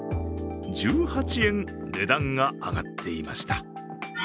１８円、値段が上がっていました。